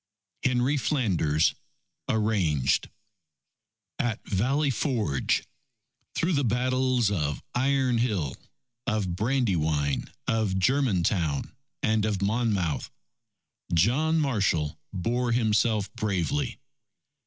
Henry Flanders (Arranged) AT VALLEY FORGE Through the battles of Iron Hill, of Brandywine, of Germantown, and of Monmouth, John Marshall bore himself bravely.